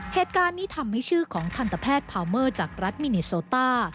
เหตุการณ์นี้ทำให้ชื่อของทันตแพทย์พาวเมอร์จากรัฐมิเนโซต้า